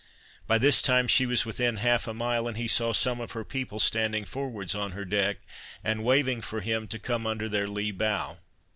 By this time she was within half a mile, and he saw some of her people standing forwards on her deck and waiving for him to come under their lee bow.